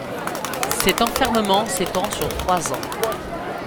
Cet enfermement s'étend sur trois ans.